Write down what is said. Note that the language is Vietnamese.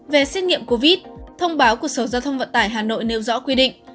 về xét nghiệm covid thông báo của sở giao thông vận tải hà nội nêu rõ quy định